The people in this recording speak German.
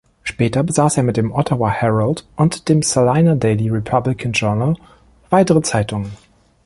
Später besaß er mit dem "Ottawa Herald" und dem "Salina Daily Republican-Journal" weitere Zeitungen.